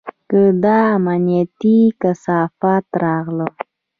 که دا امنيتي کثافات راغله.